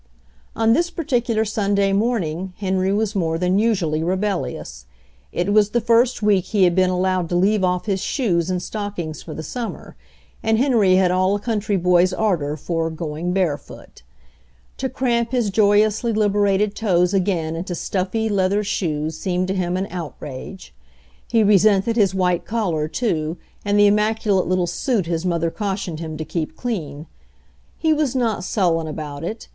On this particular Sunday morning Henry was more than usually rebellious. It was the first week he had been allowed to leave off his shoes and stockings for the summer, and Henry had all a country boy's ardor for "going barefoot" To cramp his joyously liberated toes again into stuffy, leather shoes seemed to him an outrage. He resented his white colkr, too, and the im maculate little suit his mother cautioned him to keep clean. He was not sullen about it.